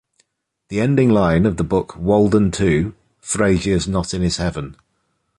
The ending line of the book "Walden Two", "Frazier's not in his heaven.